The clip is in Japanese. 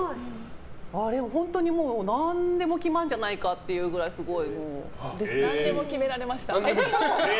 あれ、本当に何でも決まるんじゃないかってくらい何でも決められました。